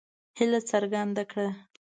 هیله څرګنده کړه.